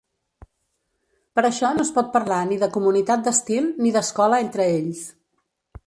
Per això no es pot parlar ni de comunitat d'estil ni d'escola entre ells.